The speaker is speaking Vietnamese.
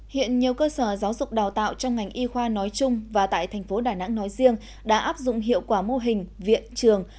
hiện nhiều cơ sở giáo dục đào tạo trong ngành y khoa nói chung và tại thành phố đà nẵng nói riêng đã áp dụng hiệu quả mô hình viện trường